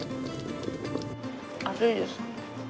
熱いです。